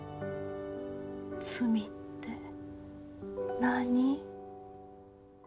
「罪」って何？